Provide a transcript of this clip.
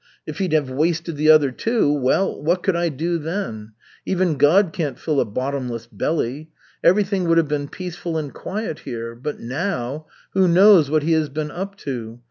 If he'd have wasted the other, too, well, what could I do then? Even God can't fill a bottomless belly. Everything would have been peaceful and quiet here. But now who knows what he has been up to?